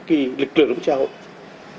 kỳ lực lượng xã hội